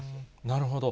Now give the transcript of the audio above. なるほど。